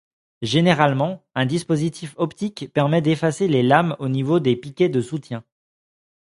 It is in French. Généralement, un dispositif optique permet d'effacer les lames au niveau des piquets de soutien.